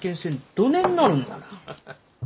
どねんなるんなら。